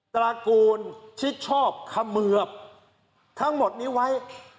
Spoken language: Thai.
ตระกูลชิดชอบเขมือบทั้งหมดนี้ไว้